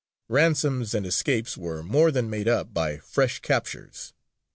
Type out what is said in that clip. '" Ransoms and escapes were more than made up by fresh captures.